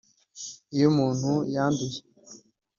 Iyo umuntu yanduye